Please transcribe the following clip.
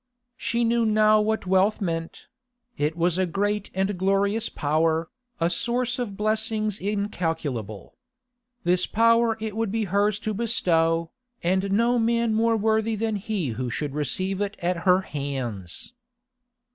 She knew now what wealth meant; it was a great and glorious power, a source of blessings incalculable. This power it would be hers to bestow, and no man more worthy than he who should receive it at her hands.